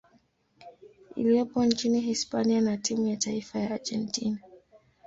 iliyopo nchini Hispania na timu ya taifa ya Argentina.